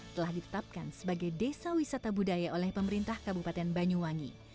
telah ditetapkan sebagai desa wisata budaya oleh pemerintah kabupaten banyuwangi